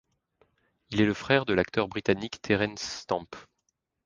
Il est le frère de l'acteur britannique Terence Stamp.